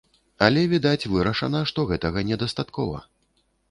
Але, відаць, вырашана, што гэтага недастаткова.